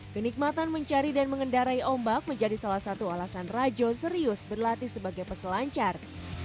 kenikmatan mencari dan mengendarai ombak menjadi salah satu alasan rajo serius berlatih sebagai peselancar